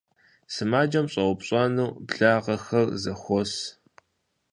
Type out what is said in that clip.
Сымаджэм щӀэупщӀэну благъэхэр зэхуос.